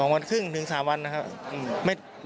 วันครึ่งถึง๓วันนะครับ